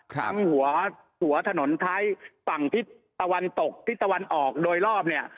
ทั้งหัวถนนท้ายฝั่งทิศตะวันตกทิศตะวันออกโดยรอบเนี่ย